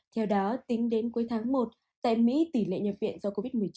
theo đó tính đến cuối tháng một tại mỹ tỷ lệ nhập viện do covid một mươi chín